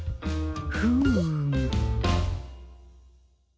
フーム。